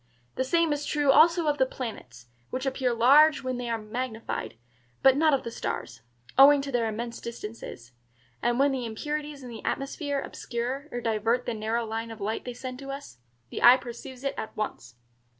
The same is true also of the planets, which appear large when they are magnified, but not of the stars, owing to their immense distances; and when the impurities in the atmosphere obscure or divert the narrow line of light they send to us, the eye perceives it at once.